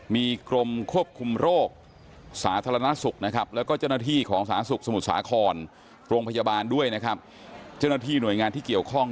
มีกรมควบคุมโรคสาธารณสุขและเจ้านาทีของสมุทรสาขรปรงพยาบาลจนาทีหน่วยงานที่เกี่ยวข้อง